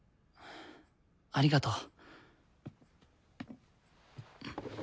ありがとう。